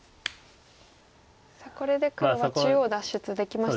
さあこれで黒は中央脱出できましたが。